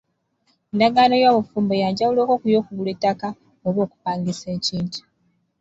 Endagaano y’obufumbo ya njawuloko ku y’okugula ettaka oba okupangisa ekintu.,